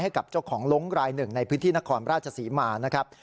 ให้กับเจ้าของลงรายหนึ่งในพื้นที่นครราชศรีมานะครับ